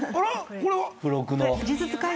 これは。